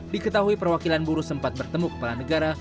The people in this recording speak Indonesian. diketahui perwakilan buruh sempat bertemu kepala negara